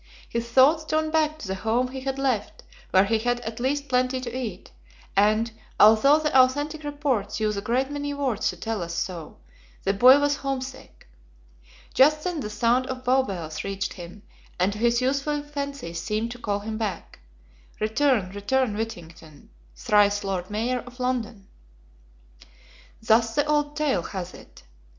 His thoughts turned back to the home he had left, where he had at least plenty to eat, and, although the "authentic reports" use a great many words to tell us so, the boy was homesick. Just then the sound of Bow Bells reached him, and to his youthful fancy seemed to call him back: "Return, return, Whittington; Thrice Lord Mayor of London." Thus the old tale hath it.